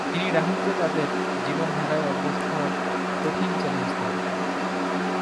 তিনি "রাহুল"কে তাদের জীবনধারায় অভ্যস্ত হওয়ার কঠিন চ্যালেঞ্জ দেন।